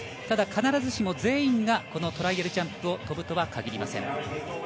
ただ、必ずしも全員がこのトライアルジャンプを飛ぶとは限りません。